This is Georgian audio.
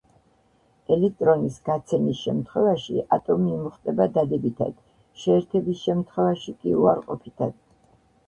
ელექტრონის გაცემის შემთხვევაში ატომი იმუხტება დადებითად, შეერთების შემთხვევაში კი უარყოფითად.